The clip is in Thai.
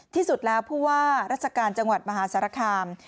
ที่สุดแล้วผู้ว่าราชการจังหวัดมหาสารคาม